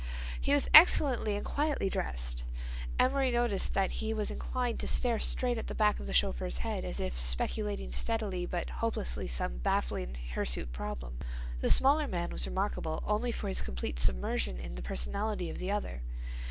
He was excellently and quietly dressed. Amory noticed that he was inclined to stare straight at the back of the chauffeur's head as if speculating steadily but hopelessly some baffling hirsute problem. The smaller man was remarkable only for his complete submersion in the personality of the other.